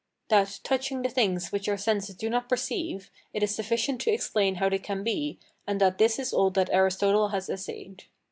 That, touching the things which our senses do not perceive, it is sufficient to explain how they can be, [and that this is all that Aristotle has essayed].